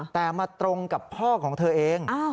แต่มาตรงกับพ่อของเธอเอง